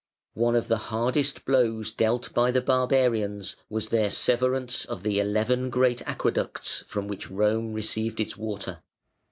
One of the hardest blows dealt by the barbarians was their severance of the eleven great aqueducts from which Rome received its water.